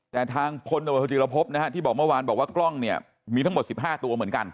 แต่ทางพลตำรวจโทจิรพบนะฮะที่บอกเมื่อวานบอกว่ากล้องเนี่ยมีทั้งหมด๑๕ตัวเหมือนกัน